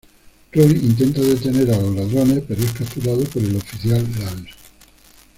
Roy intenta detener a los ladrones pero es capturado por el oficial Lance.